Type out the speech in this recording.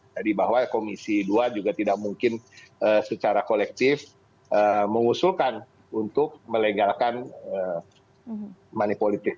jadi bahwa komisi dua juga tidak mungkin secara kolektif mengusulkan untuk melegalkan money politics